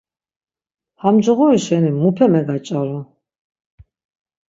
Ham coğori şeni mupe megaç̌aru!